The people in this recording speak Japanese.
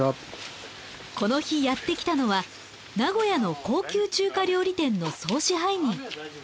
この日やってきたのは名古屋の高級中華料理店の総支配人。